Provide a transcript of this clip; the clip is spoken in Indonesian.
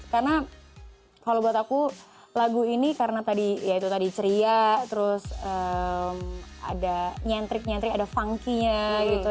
karena kalau buat aku lagu ini karena tadi ya itu tadi ceria terus ada nyentrik nyentrik ada funky nya gitu